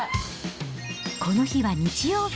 この日は日曜日。